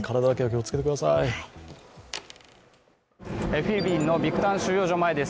フィリピンのビクタン収容所前です。